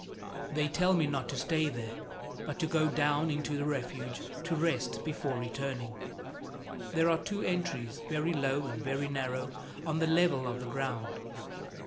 They tell me not to stay there, but to go down into the Refuge to rest before returning. There are two entries, very low and very narrow, on the level of the ground.